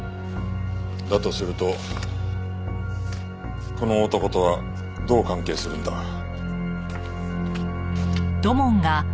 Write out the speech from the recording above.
だとするとこの男とはどう関係するんだ？